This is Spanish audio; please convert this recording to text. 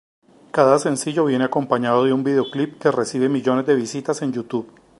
Cada sencillo viene acompañado de un videoclip que recibe millones de visitas en Youtube.